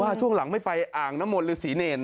ว่าช่วงหลังไม่ไปอ่างน้ำมนต์หรือศรีเน่น